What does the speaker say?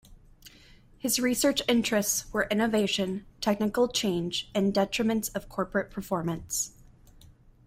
His research interests were innovation, technical change and determinants of corporate performance.